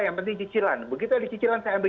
yang penting cicilan begitu ada cicilan saya ambil